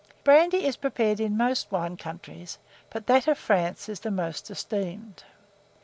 Brandy is prepared in most wine countries, but that of France is the most esteemed.